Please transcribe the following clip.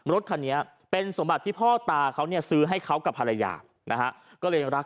รถคันนี้เป็นสมบัติที่พ่อตาเขาซื้อให้เขากับภรรยาและเงินรัก